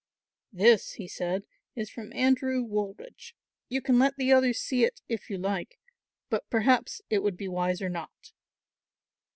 "This," he said, "is from Andrew Woolridge. You can let the others see it if you like, but perhaps it would be wiser not."